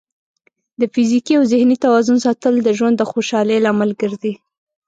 د فزیکي او ذهني توازن ساتل د ژوند د خوشحالۍ لامل ګرځي.